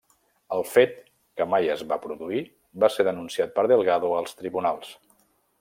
El fet, que mai es va produir, va ser denunciat per Delgado als tribunals.